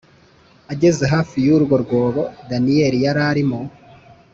ageze hafi y’urwo rwobo Daniyeli yari arimo